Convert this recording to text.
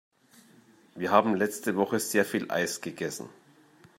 Wir haben letzte Woche sehr viel Eis gegessen.